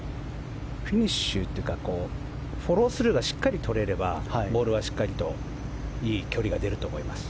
フィニッシュというかフォロースルーがしっかり取れればボールはしっかりといい距離が出ると思います。